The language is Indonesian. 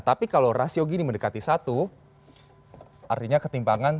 tapi kalau rasio gini mendekati satu artinya ketimpangan